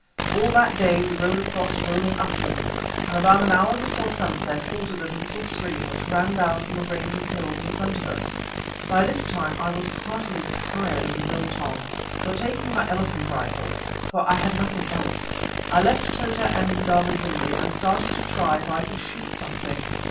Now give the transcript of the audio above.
All that day we rode across rolling uplands, and about an hour before sunset halted at a little stream which ran down from a range of hills in front of us. By this time I was heartily tired of the biltong, so taking my elephant rifle—for I had nothing else—I left Tota with Indaba zimbi, and started to try if I could shoot something.